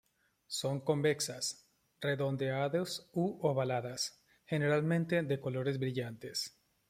Son convexas, redondeadas u ovaladas, generalmente de colores brillantes.